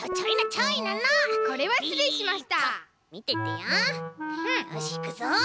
よしいくぞ！